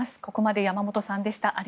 ここまで山本さんでした。